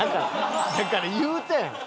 だから言うたやん！